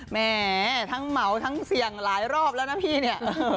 แหมทั้งเหมาทั้งเสี่ยงหลายรอบแล้วนะพี่เนี่ย